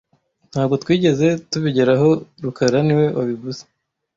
Ntabwo twigeze tubigeraho rukara niwe wabivuze